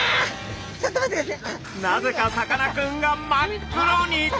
なぜかさかなクンが真っ黒に！